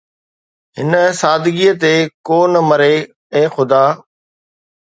هن سادگيءَ تي ڪو نه مري، اي خدا